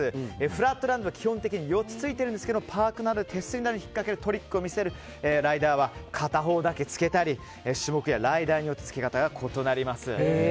フラットランドは基本的に４つついてるんですがパークなどでトリックを見せるライダーは片方だけつけたりライダーによってつけ方が異なります。